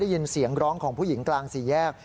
ยินเสียงร้องของผู้หญิงกลางสี่แยก